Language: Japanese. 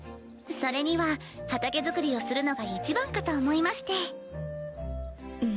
それには畑作りをするのがいちばんかと思いまして。